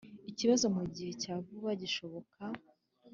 ikibazo mu gihe cya vuba gishoboka